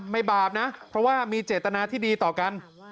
บาปนะเพราะว่ามีเจตนาที่ดีต่อกัน